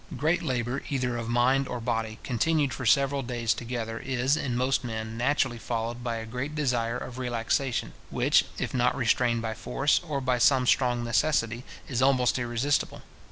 Great labour, either of mind or body, continued for several days together is, in most men, naturally followed by a great desire of relaxation, which, if not restrained by force, or by some strong necessity, is almost irresistible.